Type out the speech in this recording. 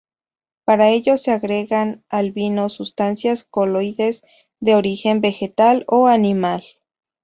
Para ello se agregan al vino sustancias coloides de origen vegetal o animal.